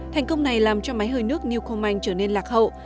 thành công này làm cho máy hơi nước newcomm trở nên lạc hậu